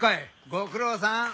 ご苦労さん。